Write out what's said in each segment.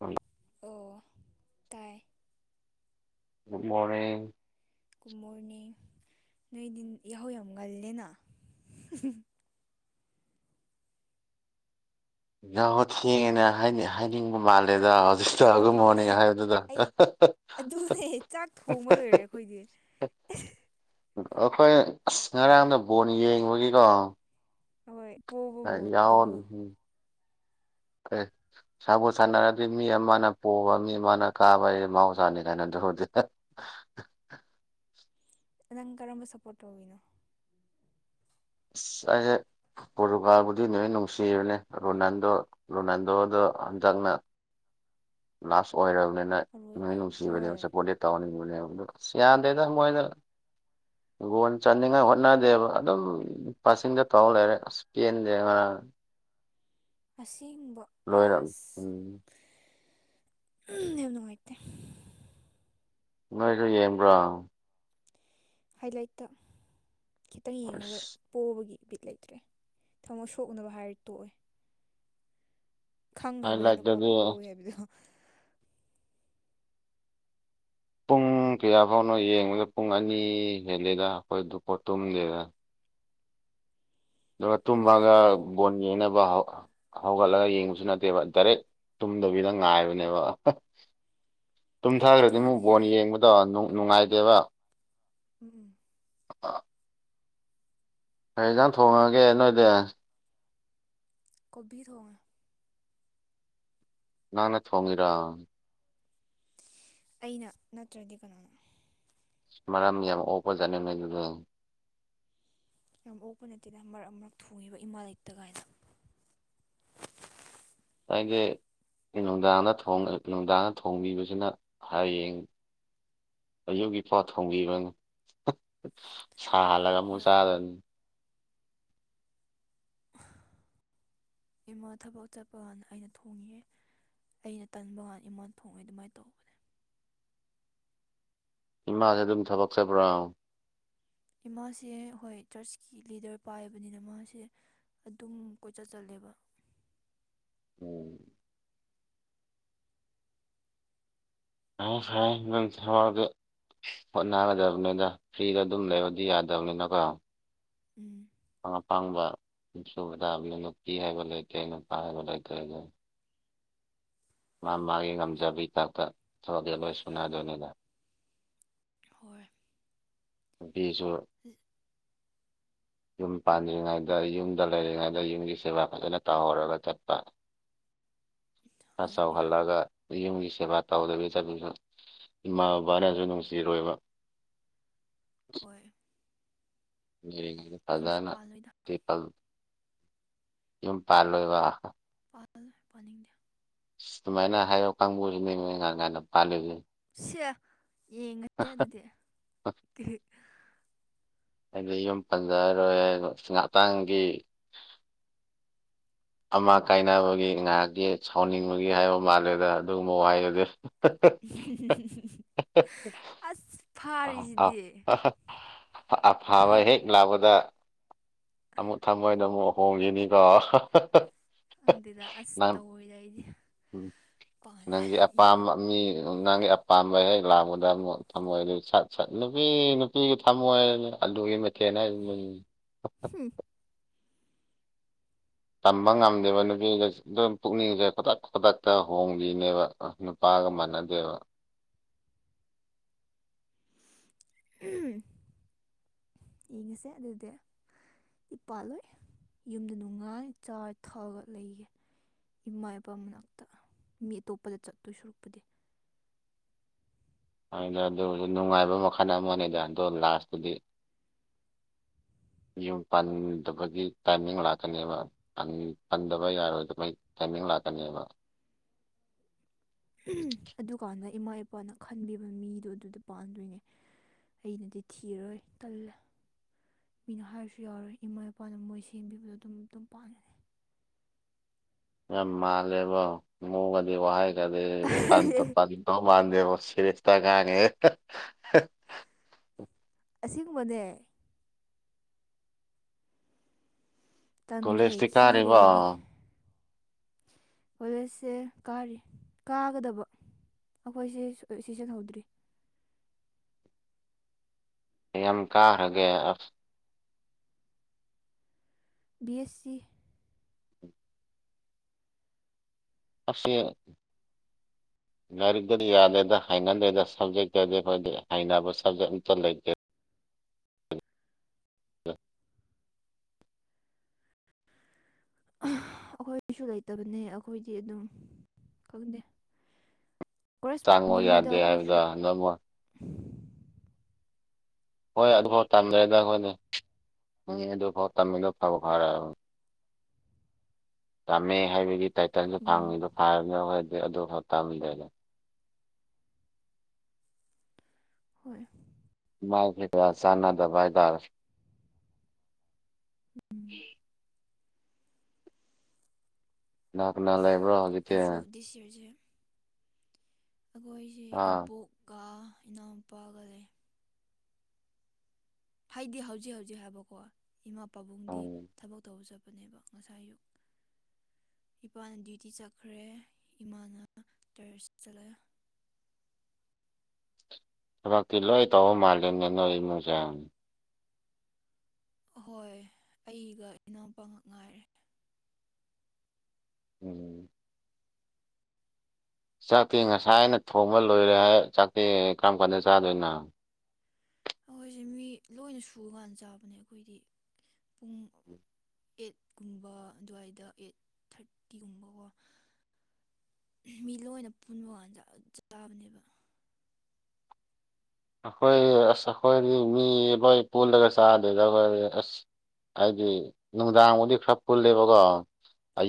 ꯑ ꯑꯣ ꯇꯥꯏ ꯒꯨꯗ ꯃꯣꯔꯅꯤꯡ ꯀꯨꯝꯃꯣꯔꯅꯤ ꯅꯣꯏꯗꯤ ꯌꯥꯍꯧ ꯌꯥꯝꯒꯜꯂꯦꯅ ꯍꯠ ꯊꯦꯡꯉꯦꯅ ꯍꯥꯏ ꯍꯥꯏꯅꯤꯡꯕ ꯃꯥꯜꯂꯦꯗ ꯍꯧꯖꯤꯛꯇ ꯒꯨꯗ ꯑꯗꯨꯅꯦ ꯃꯣꯔꯅꯤꯡ ꯍꯥꯏꯕꯗꯨꯗ ꯑꯩ ꯑꯗꯨꯅꯦ ꯆꯥꯛ ꯊꯣꯡꯕ ꯂꯣꯏꯔꯦ ꯑꯩꯈꯣꯏꯗꯤ ꯑꯩꯈꯣꯏ ꯑꯁ ꯉꯔꯥꯡꯗ ꯕꯣꯟ ꯌꯦꯡꯕꯒꯤꯀꯣ ꯍꯣꯏ ꯄꯣꯕ ꯑ ꯌꯥꯎꯝ ꯕꯣꯜꯗꯨꯕꯨ ꯑꯦ ꯁꯥꯕꯨ ꯁꯥꯟꯅꯔꯗꯤ ꯃꯤ ꯑꯃꯅ ꯄꯣꯕ ꯃꯤ ꯑꯃꯅ ꯀꯥꯕ ꯑꯩ ꯃꯍꯥꯎꯁꯥꯅꯤ ꯀꯥꯏꯅ ꯑꯗꯨ ꯗꯤ ꯅꯪ ꯀꯔꯝꯕ ꯁꯄꯣꯔꯠ ꯇꯧꯋꯤꯅꯣ ꯑꯁ ꯑꯩꯁꯦ ꯄꯣꯔꯇꯨꯒꯥꯜꯕꯨꯗꯤ ꯂꯣꯏ ꯅꯨꯡꯁꯤꯔꯕꯅꯦ ꯔꯣꯅꯥꯜꯗꯣ ꯔꯣꯅꯥꯜꯗꯣꯗꯣ ꯑ ꯆꯪꯅ ꯂꯥꯁ ꯑꯣꯏꯔꯕꯅꯤꯅ ꯑꯔꯣꯏꯕ ꯃꯤ ꯅꯨꯡꯁꯤꯕꯅꯤꯅ ꯍꯣꯏ ꯁꯞꯄꯣꯔꯗꯦꯠ ꯇꯧꯍꯟ ꯁꯤ ꯌꯥꯗꯦꯗ ꯃꯣꯏꯅ ꯒꯣꯣꯟ ꯆꯥꯅꯤꯡꯉꯥꯏ ꯍꯣꯠꯅꯗꯦꯕ ꯑꯗꯨꯝ ꯄꯁꯤꯡꯗ ꯇꯧ ꯂꯩꯔꯦ ꯑꯁ ꯄꯦꯟꯗꯦ ꯉ ꯎ ꯑꯁ ꯑꯁꯦꯡꯕ ꯂꯣꯏꯔꯅꯤ ꯎꯝ ꯅꯨꯡꯉꯥꯏꯇ ꯅꯣꯏꯁꯨ ꯌꯦꯡꯕ꯭ꯔꯥ ꯍꯥꯏꯂꯥꯏꯠꯇ ꯈꯤꯇꯪ ꯌꯦꯡꯉꯒ ꯑꯁ ꯄꯣꯛꯕꯒꯤ ꯍꯦꯕꯤꯠ ꯂꯩꯇ꯭ꯔꯦ ꯊꯃꯣꯏ ꯁꯣꯛꯅꯕ ꯍꯥꯏꯔ ꯇꯣꯛꯑꯦ ꯍꯥꯏ ꯈꯪꯉꯕꯅꯤꯅꯀꯣ ꯂꯥꯏꯠꯇꯗꯤ ꯄꯣꯛꯦ ꯍꯥꯏꯕꯗ ꯄꯨꯡ ꯀꯌꯥ ꯐꯥꯎꯅ ꯌꯦꯡꯕꯗ ꯄꯨꯡ ꯑꯅꯤ ꯍꯦꯂꯦꯗ ꯑꯩꯈꯣꯏ ꯄꯣꯠ ꯇꯨꯝꯗꯦꯗ ꯑꯗꯨꯒ ꯇꯨꯝꯃꯒ ꯕꯣꯟ ꯌꯦꯡꯅꯕ ꯍꯧꯒꯠꯂꯒ ꯌꯦꯡꯕꯁꯨ ꯅꯠꯇꯦꯕ ꯗꯥꯏꯔꯦꯛ ꯇꯨꯝꯗꯕꯤꯗ ꯉꯥꯏꯕꯅꯦꯕ ꯇꯨꯝꯊꯥꯈ꯭ꯔꯗꯤ ꯑꯃꯨꯛ ꯑꯗꯨꯅꯦ ꯕꯣꯟ ꯌꯦꯡꯕꯗꯣ ꯅꯨꯡꯉꯥꯏꯇꯦꯕ ꯎꯝ ꯎꯝ ꯀ ꯌꯦꯟꯖꯥꯡ ꯊꯣꯡꯉꯒꯦ ꯅꯣꯏꯗꯤ ꯀꯣꯕꯤ ꯊꯉ ꯅꯅꯦ ꯊꯣꯡꯉꯔ ꯑꯩꯅ ꯅꯠꯇ꯭ꯔꯗꯤ ꯀꯩꯅꯣꯅ ꯃꯔꯝ ꯌꯥꯝ ꯑꯣꯄꯖꯥꯅꯅꯦ ꯑꯗꯨ ꯌꯥꯝ ꯑꯣꯛꯄ ꯅꯠꯇꯦꯅ ꯃꯔꯛ ꯃꯔꯛ ꯊꯨꯉꯕ ꯏꯃꯥ ꯂꯩꯇ ꯀꯥꯏꯅ [inaudible] [inaudible] ꯑꯩꯁꯦ ꯅꯨꯡꯗꯥꯡꯗ ꯅꯨꯡꯗꯥꯡꯗ ꯊꯣꯡꯕꯤꯕꯁꯤꯅ ꯍꯌꯦꯡ ꯑꯌꯨꯛꯀꯤ ꯄꯥ ꯊꯣꯡꯈꯤꯕꯅꯤ [inaudible] ꯍꯣꯏ [inaudible] ꯏꯃꯥ ꯊꯕꯛ ꯆꯠꯄ ꯀꯥꯟꯗ ꯑꯩꯅ ꯊꯣꯡꯉꯉꯦ ꯑꯩꯅ ꯇꯟꯕ ꯍꯥꯟ ꯏꯃꯥꯟ ꯊꯣꯡꯉꯦ ꯑꯗꯨꯃꯥꯏꯅ ꯇꯧꯕꯅꯦ ꯏꯃꯥꯁꯦ ꯑꯗꯨꯝ ꯊꯕꯛ ꯆꯠꯕ꯭ꯔꯣ ꯏꯃꯥꯁꯦ ꯍꯣꯏ ꯆꯔꯆꯀꯤ ꯂꯤꯗꯔ ꯄꯥꯏꯕꯅꯤꯅ ꯃꯥꯁꯦ ꯑꯗꯨꯝ ꯀꯣꯏꯆꯠ ꯆꯜꯂꯦꯕ ꯎꯝ ꯑ ꯐ ꯊꯕꯥꯗ ꯍꯣꯠꯅꯒꯗꯕꯅꯤꯗ ꯐ꯭ꯔꯤꯗ ꯑꯗꯨꯝ ꯂꯩꯕꯗꯤ ꯌꯥꯗꯕꯅꯤꯅꯀꯣ ꯎꯝ ꯑꯄꯥꯥꯡꯕꯁꯨꯗꯕ ꯂꯩ ꯅꯨꯄꯤ ꯍꯥꯏꯕ ꯂꯩ ꯇꯦ ꯅꯨꯄꯥ ꯍꯥꯏꯕ ꯂꯩ ꯇꯦ ꯂꯩ ꯃꯥ ꯃꯥꯒꯤ ꯉꯝꯖꯕꯒꯤ ꯊꯥꯛꯇ ꯊꯕꯛꯁꯦ ꯂꯣꯏ ꯁꯨꯅꯗꯣꯏꯅꯤꯗ ꯍꯣꯏ ꯅꯨꯄꯤꯁꯨ ꯌꯨꯝ ꯄꯥꯟꯗ꯭ꯔꯤꯉꯩꯗ ꯌꯨꯝꯗ ꯂꯩꯔꯤꯉꯩꯗ ꯌꯨꯝꯒꯤ ꯁꯦꯕꯥ ꯐꯖꯅ ꯇꯧꯍꯧꯔꯒ ꯆꯠꯄ ꯆꯥꯎꯥꯎ ꯍꯣꯏ ꯍꯜꯂꯛꯑꯒ ꯌꯨꯝꯒꯤ ꯁꯦꯕꯥ ꯇꯧꯗꯕꯤ ꯆꯠꯁꯨ ꯏꯃꯥ ꯕꯕꯥꯅꯁꯨ ꯅꯨꯡꯁꯤꯔꯣꯏꯕ ꯍꯣꯏ ꯃꯔꯤꯉꯩꯗ ꯌꯨꯝꯁꯨ ꯐꯖꯅ ꯄꯥꯜꯂꯣꯏꯗ ꯄꯤꯄꯜ ꯌꯨꯝ ꯄꯥꯜꯂꯣꯏꯕ ꯄꯥꯜꯂꯣꯏ ꯄꯥꯅꯤꯡꯗꯦ ꯁꯨꯃꯥꯏꯅ ꯍꯥꯏꯕ ꯀꯥꯡꯕꯨꯁꯤꯅꯦ ꯀꯥꯏꯅ ꯄꯥꯜꯂꯤꯁꯦ ꯁꯤ ꯌꯦꯡꯉꯛꯇꯦ ꯑꯗꯨꯗꯤ ꯑꯩꯗꯤ ꯌꯨꯝ ꯄꯟꯖꯔꯔꯣꯏ ꯉꯥꯏꯍꯥꯛꯇꯥꯡꯒꯤ ꯑꯃ ꯀꯥꯏꯅꯕꯒꯤ ꯉꯥꯏꯍꯥꯛꯀꯤ ꯁꯥꯎꯅꯤꯡꯕꯒꯤ ꯍꯥꯏꯕ ꯃꯥꯜꯂꯦꯗ ꯑꯗꯨꯒꯨꯝꯕ ꯋꯥꯍꯩ ꯑꯗꯨꯗꯤ ꯑꯁ ꯐꯥꯔꯤꯁꯤꯗꯤ ꯑꯐꯕ ꯍꯦꯛ ꯂꯥꯛꯄꯗ ꯑꯃꯨꯛ ꯊꯝꯃꯣꯏꯗ ꯑꯃꯨꯛ ꯍꯣꯡꯉꯤꯅꯤꯀꯣ ꯈꯪꯗꯨꯗ ꯑꯁ ꯇꯧꯑꯣꯏꯗ ꯑꯩꯗꯤ ꯄꯥꯜꯂꯦ ꯅꯪꯒꯤ ꯌꯨꯝ ꯑꯄꯥꯝꯕ ꯃꯤ ꯅꯪꯒꯤ ꯑꯄꯥꯝꯕ ꯍꯦꯛ ꯂꯥꯡꯕꯗ ꯑꯃꯨꯛ ꯊꯝꯃꯣꯏ ꯁꯠ ꯁꯠ ꯅꯨꯄꯤ ꯅꯨꯄꯤꯒꯤ ꯊꯝꯃꯣꯏꯅꯤ ꯑꯗꯨꯒꯤ ꯃꯊꯦꯅ ꯍꯥꯏꯗꯨꯅꯤ ꯍꯝ ꯇꯝꯕ ꯉꯝꯗꯦꯕ ꯅꯨꯄꯤ ꯑꯗꯨꯝ ꯄꯨꯛꯅꯤꯡꯁꯦ ꯈꯨꯗꯛ ꯈꯨꯗꯛꯇ ꯍꯣꯡꯕꯤꯅꯦꯕ ꯅꯨꯄꯥ ꯄꯥꯒ ꯃꯅ ꯗꯦꯕ ꯌꯦꯡꯉꯁꯦ ꯑꯗꯨꯗꯤ ꯏ ꯄꯥꯜꯂꯣꯏ ꯌꯨꯝꯗ ꯅꯨꯡꯉꯥꯡ ꯆꯥꯔ ꯊꯛꯒ ꯂꯩꯒꯦ ꯏꯃꯥ ꯏꯄꯥ ꯃꯅꯥꯛꯇ ꯃꯤ ꯑꯇꯣꯞꯄꯗ ꯆꯠꯇꯣꯏ ꯁꯨꯔꯨꯄꯗꯤ ꯑꯗꯨ ꯑꯗꯨꯁꯨ ꯅꯨꯡꯉꯥꯏꯕ ꯃꯈꯜ ꯑꯃꯅꯤꯅꯦꯗ ꯑꯗꯣ ꯂꯥꯁꯇꯗꯤ [inaudible] ꯌꯨꯝ ꯄꯟꯗꯕꯒꯤ ꯇꯥꯏꯃꯤꯡ ꯂꯥꯛꯀꯅꯦꯕ ꯄꯟꯗꯕ ꯌꯥꯔꯣꯏꯗꯕꯩ ꯇꯥꯏꯃꯤ ꯂꯥꯛꯀꯅꯦꯕ ꯑꯗꯨꯀꯥꯟꯗ ꯏꯃꯥ ꯏꯄꯥꯅ ꯈꯟꯕꯤꯕ ꯃꯤꯗꯣ ꯑꯗꯨꯗ ꯄꯥꯟꯗꯣꯏꯅꯦ ꯑꯩꯅꯗꯤ ꯊꯤꯔꯣꯏ ꯇꯜꯂꯦ ꯃꯤꯅ ꯍꯥꯏꯔꯁꯨ ꯌꯥꯎꯔꯣꯏ ꯏꯃꯥ ꯏꯄꯥꯅ ꯃꯣꯏ ꯁꯦꯝꯕꯤꯕꯗꯣ ꯑꯗꯨꯝ ꯑꯗꯨꯝ ꯄꯥꯂꯅꯤ ꯌꯥꯝ ꯃꯥꯜꯂꯦꯕ ꯃꯒꯗꯤ ꯋꯥꯍꯩꯒꯗꯤ ꯄꯟ ꯇꯥ ꯄꯟꯗ ꯃꯥꯟꯗꯦꯕ ꯁꯤꯠꯇ ꯉꯥꯡꯉꯦ ꯑꯁꯤꯒꯨꯝꯕꯅꯦ ꯇꯟꯈ꯭ꯔꯦ ꯀꯣꯂꯦꯖꯇꯤ ꯈꯤꯔꯦ ꯀꯥꯔꯤꯕ ꯀꯂꯦꯖꯁꯦ ꯀꯥꯔꯤ ꯀꯥꯒꯗꯕ ꯑꯩꯈꯣꯏꯁꯦ ꯁꯤꯖꯤꯍꯧꯗ꯭ꯔꯤ ꯌ ꯀꯥ ꯍꯒꯦ ꯑ ꯕꯤ ꯑꯦꯁ ꯁꯤ ꯑꯦ ꯂꯥꯏꯔꯤꯛꯇꯨꯗꯤ ꯌꯥꯗꯦꯗ ꯍꯅꯗꯦꯗ ꯁꯞꯖꯦꯛꯇꯗꯤ ꯑꯩꯈꯣꯏꯗꯤ ꯍꯩꯅꯅꯕ ꯁꯕꯖꯦꯛ ꯑꯝꯇ ꯂꯩꯇꯦ ꯑꯩꯈꯣꯏꯁꯨ ꯂꯩꯇꯕꯅꯦ ꯑꯩꯈꯣꯏꯗꯤ ꯑꯗꯨꯝ ꯈꯪꯗꯦ ꯆꯥꯡꯉꯣ ꯀꯣꯔꯦꯁꯄꯣꯟꯗꯤꯡꯅꯤꯗ ꯌꯥꯗꯦ ꯑꯩꯈꯣꯏꯁꯨ ꯍꯥꯏꯕꯗ ꯍ ꯅꯪꯣ ꯍꯣꯏ ꯑꯗꯨꯐꯥꯎ ꯇꯝꯗꯦꯗ ꯑꯩꯈꯣꯏꯅ ꯎ ꯑꯗꯨꯐꯥꯎ ꯇꯝꯃꯤꯗꯣ ꯐꯕ ꯐꯔꯅꯤ ꯇꯥꯝꯃꯦ ꯍꯥꯏꯕꯒꯤ ꯇꯥꯏꯇꯜꯁꯨ ꯎꯝ ꯐꯪꯉꯤꯗꯣ ꯐꯥꯔꯕꯅꯤꯅ ꯍꯈꯣꯏꯗꯤ ꯑꯗꯨ ꯈ ꯇꯝꯗ꯭ꯔꯦꯗ ꯍꯣꯏ ꯃꯥꯥꯏꯗ ꯁꯥꯟꯅꯥ ꯗꯚꯥꯏꯗꯥꯔ ꯍ ꯎꯝ ꯅꯥ ꯀꯅꯥ ꯂꯩ ꯑꯩꯁꯨ ꯗꯤꯁ ꯌꯌꯥꯔꯁꯦ ꯑꯩꯈꯣꯏꯁꯦ ꯑꯥ ꯏꯕꯣꯛꯀ ꯏꯅꯥꯎꯨꯄꯥꯒ ꯂꯩ ꯍꯥꯏꯗꯤ ꯍꯧꯖꯤꯛ ꯍꯧꯖꯤꯛ ꯍꯥꯏꯕꯀꯣ ꯏꯃꯥ ꯄꯥꯕꯨꯡꯗꯤ ꯎꯝ ꯊꯕꯛ ꯇꯧꯕ ꯆꯠꯄ ꯅꯦꯕ ꯉꯁꯥꯌꯨꯛ ꯏꯄꯥꯅ ꯗ꯭ꯌꯨꯇꯤ ꯆꯠꯈ꯭ꯔꯦ ꯏꯃꯥꯅ ꯇꯔꯁ ꯆꯠꯂꯦ [unintelligible] ꯊꯃ ꯀꯂꯣ ꯇ ꯃꯥꯜꯂꯤ ꯅ ꯏꯅꯁ ꯑꯍꯣꯏ ꯑꯩꯒ ꯏꯅꯥꯎꯄꯥ ꯉꯛ ꯉꯥꯏꯔꯦ ꯎꯝ ꯆꯥꯛꯇꯦ ꯉꯁꯥꯏ ꯑꯩꯅ ꯊꯣꯡꯕ ꯂꯣꯏꯔꯦ ꯍꯥꯏ ꯆꯥꯛꯇꯦ ꯀꯔꯝ ꯀꯥꯟꯗ ꯆꯥꯗꯣꯏꯅꯣ ꯑꯩꯈꯣꯏꯁꯦ ꯃꯤ ꯂꯣꯏꯅ ꯁꯨꯔꯀꯥꯟꯗ ꯆꯥꯕꯅꯦ ꯑꯩꯈꯣꯏꯗꯤ ꯄꯨꯡ ꯑꯦꯠꯀꯨꯝꯕ ꯑꯗꯨꯋꯥꯏꯗ ꯑꯦꯠ ꯊꯥꯔꯇꯤꯒꯨꯝꯕꯀꯣ ꯃꯤ ꯂꯣꯏꯅ ꯄꯨꯟꯕ ꯀꯥꯟꯗ ꯑꯗꯨ ꯆꯥꯕꯅꯦꯕ ꯑꯩꯈꯣꯏ ꯑꯁ ꯑꯩꯈꯣꯏꯗꯤ ꯃꯤ ꯂꯣꯏ ꯄꯨꯜꯂꯒ ꯆꯥꯗꯦꯗ ꯑꯩꯈꯣꯏ ꯑꯁ ꯍꯥꯏꯗꯤ ꯅꯨꯡꯗꯥꯡꯕꯨꯗꯤ ꯈꯔ ꯄꯨꯜꯂꯦꯕꯀꯣ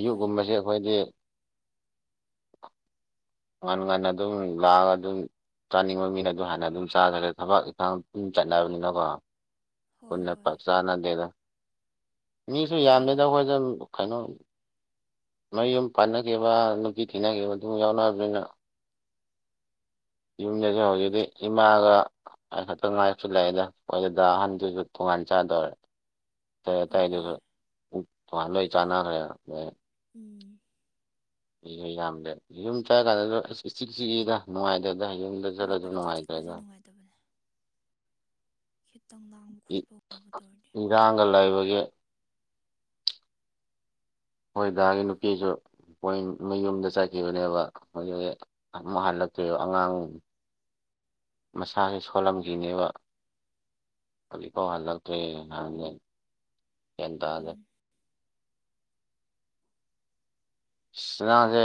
ꯍꯣꯏ ꯑꯩꯈꯣꯏꯗꯤ [unintelligible] ꯇꯉꯥꯟ ꯉꯥꯟꯅ ꯑꯗꯨꯝ ꯂꯥꯛꯑꯒ ꯑꯗꯨꯝ ꯆꯥꯅꯤꯡꯕ ꯃꯤꯅ ꯑꯗꯨꯝ ꯍꯥꯟꯅ ꯑꯗꯨꯝ ꯆꯥꯗ꯭ꯔꯦ ꯊꯕꯛ ꯏꯈꯥꯡ ꯄꯨ ꯆꯠꯅꯕꯅꯤꯅꯀꯣ ꯍꯣꯏ ꯄꯨꯟꯅ ꯍꯣꯏ ꯆꯥꯅꯗꯦꯗ ꯃꯤꯁꯨ ꯌꯥꯝꯗꯩꯗ ꯑꯣ ꯑꯩꯈꯣꯏꯗ ꯀꯩꯅꯣ ꯃꯌꯨꯝ ꯄꯥꯟꯅꯈꯤꯕ ꯅꯨꯄꯤ ꯊꯤꯅꯈꯤꯕ ꯑꯗꯨꯝ ꯌꯥꯎꯔꯕꯅꯤꯅ ꯌꯨꯝꯗꯁꯨ ꯑꯣ ꯍꯧꯖꯤꯛꯇꯤ ꯏꯃꯥꯒ ꯑꯩ ꯈꯛꯇꯪ ꯉꯥꯏꯁꯨ ꯂꯩꯗꯣꯏ ꯑꯗꯨꯗ ꯑꯍꯟꯗꯨꯁꯨ ꯇꯣꯉꯥꯟ ꯆꯥꯗꯔꯦ ꯑꯥꯏ ꯑꯇꯥꯏꯗꯨꯁꯨ ꯑꯍꯣꯏ ꯇꯣꯉꯥꯟ ꯂꯣꯏ ꯆꯥꯟꯅꯈ꯭ꯔꯦ ꯎꯝ ꯑꯩ ꯌꯥꯝꯗꯦ ꯌꯨꯝ ꯆꯥꯀꯥꯟꯗ ꯑꯁ ꯆꯤꯛ ꯆꯤꯛꯏꯗ ꯅꯨꯡꯉꯥꯏ ꯑꯗ ꯌꯨꯝꯗ ꯆꯠꯂ ꯑꯗꯨ ꯍꯣꯏ ꯏꯆꯤꯛ ꯆꯤꯛꯄꯁꯦ ꯅꯨꯡꯉꯥꯏꯇ꯭ꯔꯦꯗ ꯅꯨꯡꯉꯥꯏꯇꯕꯅꯦ ꯈꯤꯇꯪ ꯂꯥꯡꯕ ꯈꯣꯠꯄꯒꯨꯝꯕ ꯇꯧꯔꯗꯤ ꯏꯔꯥꯡꯒ ꯂꯩꯕꯒꯤ ꯍꯣꯏ ꯒꯤ ꯅꯨꯄꯤꯁꯨ ꯄꯣꯏꯟ ꯃꯌꯨꯝꯗ ꯆꯠꯈꯤꯕꯅꯦꯕ ꯑꯃꯨꯛ ꯍꯜꯂꯛꯇꯣꯏꯕ ꯑꯉꯥꯡ ꯃꯁꯥꯁꯦ ꯁꯣꯜꯂꯝꯈꯤꯅꯦꯕ ꯍꯧꯖꯤꯐꯥꯎ ꯍꯜꯂꯛꯇ꯭ꯔꯦ ꯍꯥꯟ ꯍꯦꯟ ꯇꯥꯍꯜꯂꯦ ꯎꯝ ꯁꯤꯅꯥꯁꯦ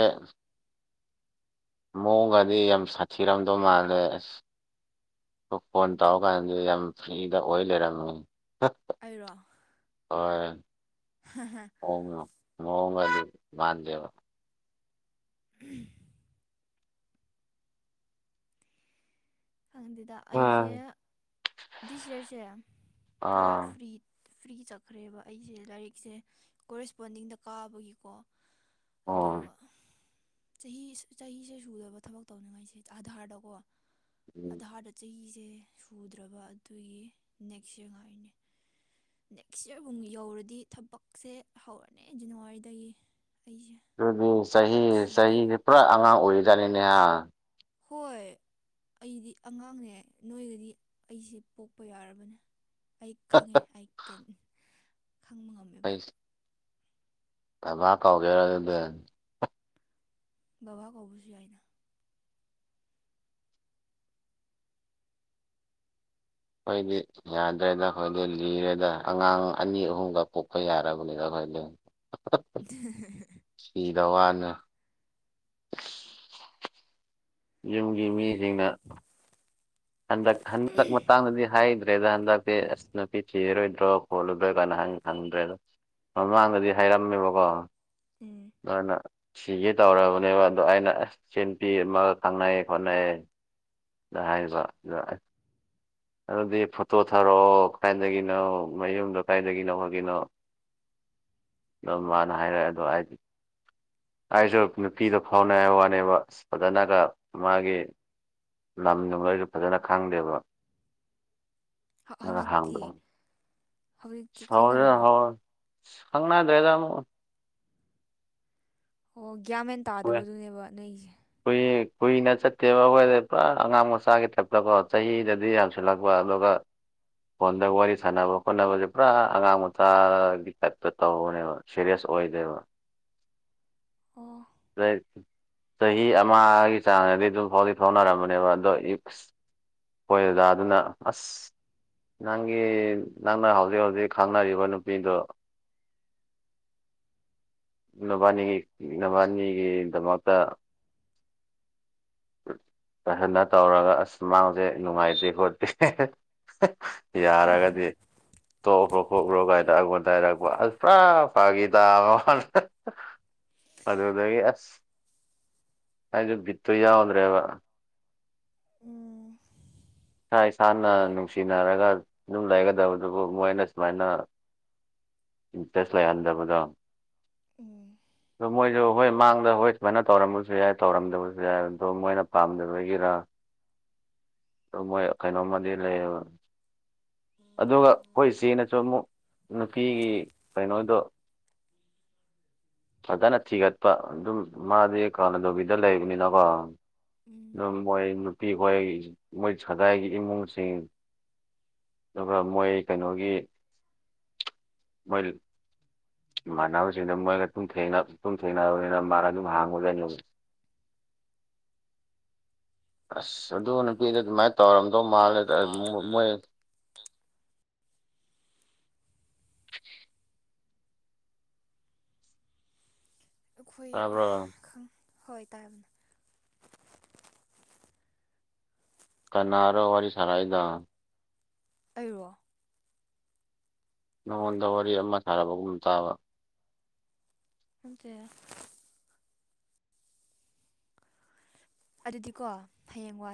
ꯃꯑꯣꯒꯗꯤ ꯌꯥꯝ ꯁꯥꯊꯤꯔꯝꯗꯧ ꯃꯥꯜꯂꯦ ꯑꯁ ꯐꯣꯟ ꯇꯧꯀꯥꯟꯗ ꯌꯥꯝ ꯐ꯭ꯔꯤꯗ ꯑꯣꯏ ꯂꯩꯔꯝꯃꯦ ꯑꯩꯔꯣ ꯍꯣꯏ ꯃꯒ ꯑꯗꯨ ꯗꯦꯕ ꯎꯝ ꯈꯪꯗꯦꯗ ꯑ ꯑꯩꯁꯦ ꯗꯤꯖꯤꯔꯁꯦ ꯄꯨꯔꯥ ꯑꯥ ꯐ꯭ꯔꯤ ꯐ꯭ꯔꯤ ꯆꯠꯈ꯭ꯔꯦꯕ ꯑꯩꯁꯦ ꯂꯥꯏꯔꯤꯛꯁꯦ ꯀꯣꯔꯦꯁꯄꯣꯟꯗꯤꯡꯗ ꯀꯥꯕꯒꯤꯀꯣ ꯑꯣ ꯑꯗꯨꯒ ꯆꯍꯤ ꯆꯍꯤꯁꯦ ꯁꯨꯗꯕ ꯊꯕꯛ ꯇꯧꯅꯤꯡꯉꯥꯏꯁꯦ ꯑꯥꯙꯥꯔꯗꯀꯣ ꯑꯗ ꯍꯥꯗ ꯆꯍꯤꯁꯦ ꯁꯨꯗ꯭ꯔꯕ ꯑꯗꯨꯒꯤ ꯅꯦꯛꯁ ꯁꯉꯥꯏꯅꯤ ꯅꯦꯛꯁ ꯌꯔꯕꯨꯨ ꯌꯧꯔꯗꯤ ꯊꯕꯛꯁꯦ ꯍꯧꯔꯅꯤ ꯖꯅꯋꯥꯔꯤꯗꯒꯤ ꯑꯩꯁꯦ ꯑꯗꯨꯗꯤ ꯆꯍꯤ ꯊꯤꯗꯣꯏꯅꯦ ꯆꯍꯤꯁꯦ ꯄꯨꯔꯥ ꯑꯉꯥꯡ ꯑꯣꯏꯔꯤꯖꯥꯅꯤꯅꯦꯍ ꯍꯣꯏ [unintelligible] ꯑꯩꯗꯤ ꯑꯉꯥꯡꯅꯦ ꯅꯣꯏꯒꯗꯤ ꯑꯩꯁꯦ ꯄꯣꯛꯄ ꯌꯥꯔꯕꯅꯦ ꯑꯩ ꯈꯪꯉꯦ ꯑꯩꯕ ꯐꯩꯁ ꯑꯃ ꯀꯥꯎꯒꯦꯔꯗ ꯕꯕꯥ ꯀꯧꯕꯁꯨ ꯌꯥꯏꯅ ꯑꯩꯈꯣꯏꯗꯤ ꯌꯥꯗ꯭ꯔꯦꯗ ꯑꯩꯈꯣꯏꯗꯤ ꯂꯤꯔꯦꯗ ꯑꯉꯥꯡ ꯑꯅꯤ ꯑꯍꯨꯝꯒ ꯄꯣꯛꯄ ꯌꯥꯔꯕꯅꯤꯅ ꯑꯩꯈꯣꯏ ꯂꯦ [inaudible] ꯖꯅ ꯌꯨꯝꯒꯤ ꯃꯤꯁꯤꯡꯅ ꯍꯟꯗꯛ ꯍꯟꯗꯛ ꯃꯇꯥꯡꯗꯗꯤ ꯍꯥꯏ ꯗ꯭ꯔꯦ ꯍꯟ ꯅꯄꯤ ꯆꯤꯔ ꯏ꯭ꯔꯣ ꯀꯣꯜꯕꯅ ꯍꯪ ꯍꯗ꯭ꯔꯦ ꯑꯗꯨ ꯃꯃꯥꯡꯗꯗꯤ ꯍꯥꯏꯔꯝꯃꯦꯕꯀꯣ ꯎꯝ ꯑꯗꯨꯅ ꯁꯤꯒ ꯇꯧꯔꯕꯅꯦꯕ ꯑꯗꯣ ꯑꯩꯅ ꯑꯁ ꯁꯤꯦꯟ ꯄꯤ ꯑꯃꯒ ꯈꯪꯅꯩꯌꯦ ꯈꯣꯠꯅꯩꯦ ꯏꯖ ꯑꯗꯨꯗꯤ ꯐꯣꯇꯣ ꯊꯥꯔꯛꯑꯣ ꯀꯗꯥꯥꯏꯏꯗꯒꯤꯅꯣ ꯃꯌꯨꯝꯗꯣ ꯀꯗꯥꯥꯏꯗꯒꯤꯅꯣ ꯍꯥꯏꯒꯤꯅꯣ ꯑꯗꯨ ꯃꯥꯅ ꯍꯥꯏꯔꯛꯑꯦ ꯑꯗꯣ ꯑꯩꯗꯤ ꯑꯩꯁꯨ ꯅꯨꯄꯤꯗꯣ ꯐꯥꯎꯅꯉꯥꯏ ꯋꯥꯅꯦꯕ ꯐꯖꯅꯒ ꯃꯥꯒꯤ ꯂꯝꯗꯨ ꯃꯣꯏꯁꯨ ꯐꯖꯅ ꯈꯪꯗꯦꯕ ꯍꯧꯖꯤꯛꯇꯤ ꯍꯧꯖꯤꯛꯇꯤ ꯍꯗ ꯈꯪꯅꯔꯤꯕꯣ ꯍ ꯍꯪꯅ ꯍꯥꯏꯗ꯭ꯔꯦꯗꯅ ꯑꯣ ꯒ꯭ꯌꯥꯃꯦꯟ ꯇꯥꯗꯕꯗꯨꯅꯦꯕ ꯅꯣꯏꯁꯦ ꯀꯨꯏ ꯀꯨꯏꯅ ꯆꯠꯇꯦꯕ ꯑꯩꯈꯣꯏꯗꯤ ꯄꯨꯔꯥ ꯑꯉꯥꯡ ꯃꯆꯥꯒꯤ ꯇꯞꯇꯀꯣ ꯆꯍꯤꯗꯗꯤ ꯌꯥꯝꯁꯤꯜꯂꯛꯄ ꯑꯗꯣ ꯇꯕ ꯐꯣꯟꯗꯒ ꯋꯥꯔꯤ ꯁꯥꯟꯅꯕ ꯈꯣꯠꯅꯕꯁꯦ ꯄꯨꯔꯥ ꯑꯉꯥꯡ ꯃꯆꯥꯒꯤ ꯀꯇ ꯇꯧꯕꯅꯦꯕ ꯁꯦꯔꯤꯌꯁ ꯑꯣꯏꯗꯕ ꯑꯣ ꯆꯍꯤ ꯑꯃꯒꯤ ꯆꯥꯡꯗꯗꯤ ꯑꯗꯨꯝ ꯐꯥꯎꯗꯤ ꯐꯥꯎꯅꯔꯝꯕꯅꯦꯕ ꯑꯗꯣ ꯍꯣꯏ ꯗꯗꯥ ꯑꯗꯨꯅ ꯑꯁ ꯅꯪꯒꯤ ꯅꯪꯅ ꯍꯧꯖꯤꯛ ꯍꯧꯖꯤꯛ ꯈꯪꯅꯔꯤꯕ ꯅꯨꯄꯤꯗꯨꯣ ꯅꯕꯥꯅꯤꯒꯤ ꯅꯕꯥꯅꯤꯒꯤꯗꯃꯛꯇ ꯀꯍꯟꯅ ꯇꯧꯔꯒ ꯑꯁ ꯃꯥꯡꯁꯦ ꯅꯨꯡꯉꯥꯏꯇꯦ ꯈꯣꯠꯇꯦ ꯌꯥꯔꯒꯗꯤ ꯇꯣꯛ ꯀꯣꯛ꯭ꯔꯣ ꯀꯥꯏꯅ ꯑꯩꯉꯣꯟꯗ ꯍꯥꯏꯔꯛꯄ ꯑꯁ ꯄꯨꯔꯥ ꯐꯥꯒꯤ ꯇ ꯃ ꯑꯗꯨꯗꯒꯤ ꯑꯁ ꯑꯩꯁꯨ ꯕꯤꯠꯇꯨ ꯌꯥꯎꯗ꯭ꯔꯦꯕ ꯎꯝ ꯏꯁꯥ ꯏꯁꯥꯅ ꯅꯨꯡꯁꯤꯅꯔꯒ ꯑꯗꯨꯝ ꯂꯩꯒꯗꯕꯗꯨꯕꯨ ꯃꯣꯏꯅ ꯁꯨꯃꯥꯏꯅ ꯏꯟꯇꯔꯦꯁ ꯂꯩꯍꯟꯗꯕꯗꯣ ꯎꯝ ꯑꯣ ꯃꯣꯏꯁꯨ ꯍꯣꯏ ꯃꯥꯡꯗ ꯍꯣꯏ ꯁꯨꯃꯥꯏꯅ ꯇꯧꯔꯝꯕꯁꯨ ꯌꯥꯏ ꯇꯧꯔꯝꯗꯕꯁꯨ ꯌꯥꯏ ꯑꯗꯣ ꯃꯣꯏꯅ ꯄꯥꯝꯗꯕꯒꯤꯔ ꯑꯃꯈꯩꯅꯩꯅꯣꯃꯗꯤ ꯂꯩ ꯑꯗꯨꯒ ꯑꯩꯈꯣꯏ ꯏꯆꯦꯅꯁꯨ ꯑꯃꯨꯛ ꯅꯨꯄꯤꯒꯤ ꯀꯩꯅꯣꯗꯣ ꯐꯖꯅ ꯊꯤꯒꯠꯄ ꯑꯗꯨꯝ ꯃꯥꯗꯤ ꯀꯥꯟꯅꯗꯣꯕꯤꯗ ꯂꯩꯕꯅꯤꯅꯀꯣ ꯎꯝ ꯑꯗꯨꯝ ꯃꯣꯏ ꯅꯨꯄꯤꯈꯣꯏ ꯃꯣꯏ ꯁꯗꯥꯥꯏꯒꯤ ꯏꯃꯨꯡꯁꯤꯡ ꯑꯗꯨꯒ ꯃꯣꯏ ꯀꯩꯅꯣꯒꯤ ꯃꯣꯏ ꯏꯃꯥꯟꯅꯕꯁꯤꯡꯗ ꯃꯣꯏꯒꯨꯝ ꯊꯦꯡꯅ ꯇꯨꯝ ꯊꯦꯡꯅꯅꯕꯅꯤꯅ ꯃꯥꯅ ꯑꯗꯨꯝ ꯍꯥꯡꯉꯗꯅꯤꯕ ꯑꯁ ꯑꯗꯨ ꯅ ꯗ ꯑꯗꯨꯃꯥꯏꯅ ꯇꯧꯔꯝꯗꯧ ꯃꯥꯜꯂꯦ ꯃꯣꯏ ꯇꯥꯕ꯭ꯔꯣ ꯑꯩꯈꯣꯏ ꯍꯣꯏ ꯇꯥꯕꯅꯦ ꯀꯟꯔꯣ ꯋꯥꯔꯤꯔꯤ ꯁꯔꯥꯏꯗꯥ ꯑꯣ ꯅꯉꯣꯟꯗ ꯋꯥꯔꯤ ꯑꯃ ꯁꯥꯅꯕꯒꯨꯝ ꯇꯥꯕ ꯆ ꯑꯗꯨꯗꯤꯀꯣ ꯍꯌꯦꯡ ꯋꯥ